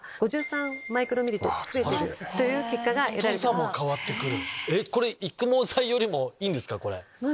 太さも変わってくる！